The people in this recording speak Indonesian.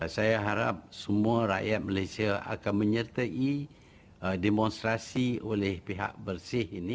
saya harap semua rakyat malaysia akan menyertai demonstrasi oleh pihak bersih ini